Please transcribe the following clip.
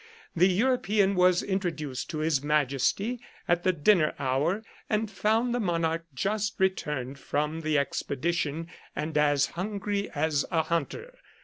The European was introduced to His Majesty at the dinner hour, and found the monarch just returned from the expedition, and as hungry as a hunter.